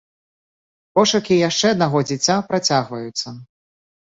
Пошукі яшчэ аднаго дзіця працягваюцца.